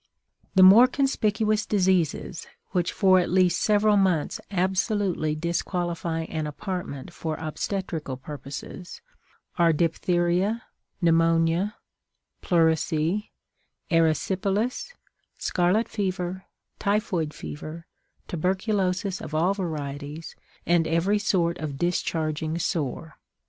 The more conspicuous diseases which for at least several months absolutely disqualify an apartment for obstetrical purposes are diphtheria, pneumonia, pleurisy, erysipelas, scarlet fever, typhoid fever, tuberculosis of all varieties, and every sort of discharging sore.